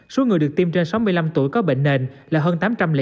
số người được tiêm trên sáu mươi năm tuổi có bệnh nền là hơn tám trăm linh